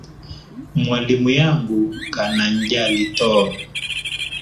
Mwalimu yangu kananjali too.